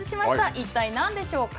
一体何でしょうか。